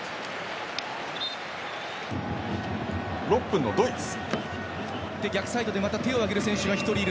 ６分のドイツ。